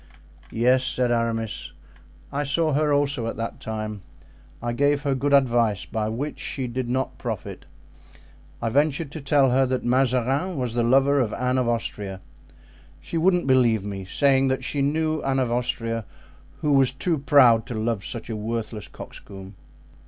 "Yes," said Aramis, "I saw her also at that time. I gave her good advice, by which she did not profit. I ventured to tell her that Mazarin was the lover of Anne of Austria. She wouldn't believe me, saying that she knew Anne of Austria, who was too proud to love such a worthless coxcomb.